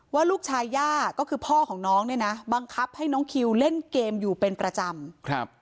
ว่าลูกชายย่าก็คือพ่อของน้องเนี่ยนะบังคับให้น้องคิวเล่นเกมอยู่เป็นประจำครับ